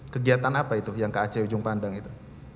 kegiatan apa itu yang ke ac ujung pandang itu